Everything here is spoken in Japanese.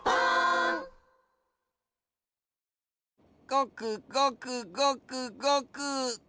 ごくごくごくごく。